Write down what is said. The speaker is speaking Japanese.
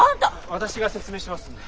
私が説明しますんで。